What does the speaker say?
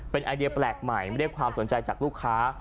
เป็นไอเดียแปลกใหม่ไม่ได้ความสนใจจากลูกค้า